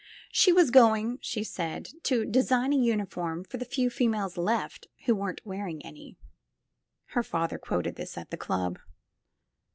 She was going, she said, to de sign a uniform for the few females left who weren't wearing any ; her father quoted this at the club.